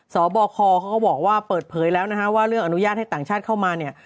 สบคเขาก็บอกว่าเปิดเผยแล้วนะฮะว่าเรื่องอนุญาตให้ต่างชาติเข้ามาเนี่ย